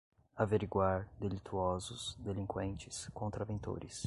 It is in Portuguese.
averiguar, delituosos, delinquentes, contraventores